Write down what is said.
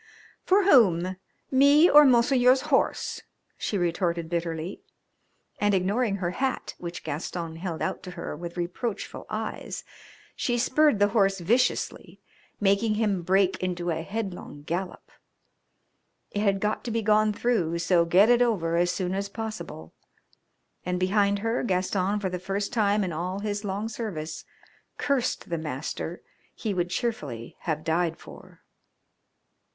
"For whom me or Monseigneur's horse?" she retorted bitterly, and ignoring her hat, which Gaston held out to her with reproachful eyes, she spurred the horse viciously, making him break into a headlong gallop. It had got to be gone through, so get it over as soon as possible. And behind her, Gaston, for the first time in all his long service, cursed the master he would cheerfully have died for.